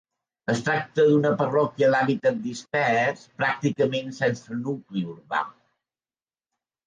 Es tracta d'una parròquia d'hàbitat dispers, pràcticament sense nucli urbà.